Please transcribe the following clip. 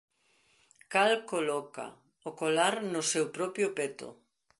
Cal coloca o colar no seu propio peto.